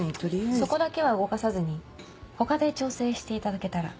そこだけは動かさずに他で調整していただけたら。